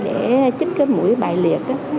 để chích cái mũi bại liệt